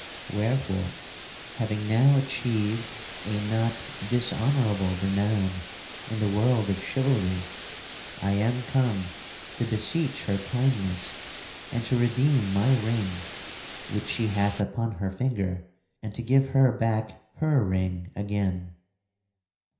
Wherefore, having now achieved a not dishonorable renown in the world of chivalry, I am come to beseech her kindness and to redeem my ring which she hath upon her finger and to give her back her ring again."